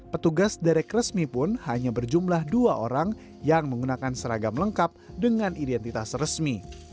petugas derek resmi pun hanya berjumlah dua orang yang menggunakan seragam lengkap dengan identitas resmi